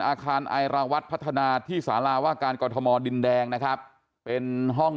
อาคารไอราวัตรพัฒนาที่สาราว่าการกรทมดินแดงนะครับเป็นห้อง